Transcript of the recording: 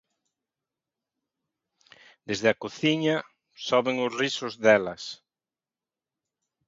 Desde a cociña, soben os risos delas.